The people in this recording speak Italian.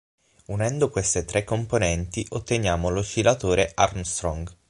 Unendo queste tre componenti otteniamo l'oscillatore Armstrong.